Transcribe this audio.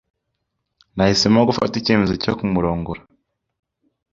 Nahisemo gufata icyemezo cyo kumurongora.